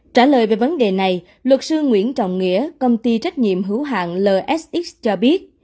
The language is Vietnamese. trả lời về vấn đề này luật sư nguyễn trọng nghĩa công ty trách nhiệm hữu hạng lsx cho biết